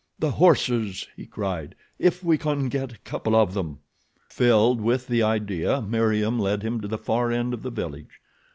"The horses!" he cried. "If we can get a couple of them!" Filled with the idea Meriem led him to the far end of the village.